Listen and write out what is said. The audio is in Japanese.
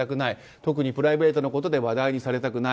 特にプライベートのことで話題にされたくない。